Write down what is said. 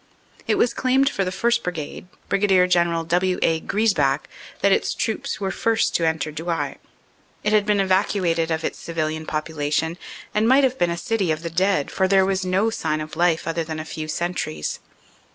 It was claimed for the 1st. Brigade, Brig. General W. A. Griesbach, that its troops were first to enter Douai. It had been evacuated of its civilian population, and might have been a city of the dead, for there was no sign of life, other than a few sentries.